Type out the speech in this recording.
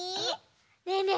ねえねえ